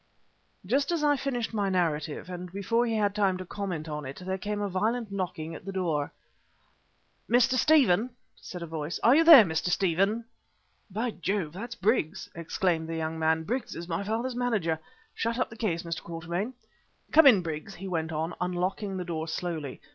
Just as I finished my narrative, and before he had time to comment on it, there came a violent knocking at the door. "Mr. Stephen," said a voice, "are you there, Mr. Stephen?" "By Jove! that's Briggs," exclaimed the young man. "Briggs is my father's manager. Shut up the case, Mr. Quatermain. Come in, Briggs," he went on, unlocking the door slowly.